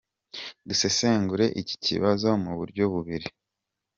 Dusesengure iki kibazo mu buryo bubiri.